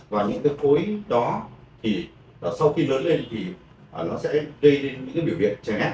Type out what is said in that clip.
và những cái khối đó thì sau khi lớn lên thì nó sẽ gây đến những biểu biện trẻ